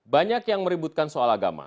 banyak yang meributkan soal agama